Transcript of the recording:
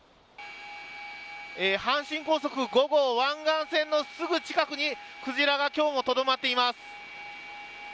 阪神高速５号湾岸線のすぐ近くにクジラが今日もとどまっています。